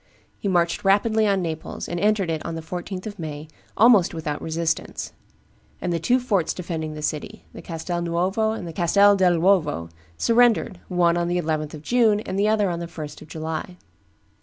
He marched rapidly on Naples, and entered it on the 14th of May, almost without resistance; and the two forts defending the city, the Castel Nuovo and the Castel dell' Uovo surrendered, one on the 11th of June and the other on the 1st of July.